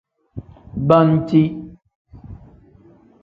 Banci.